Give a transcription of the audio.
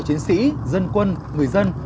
chiến sĩ dân quân người dân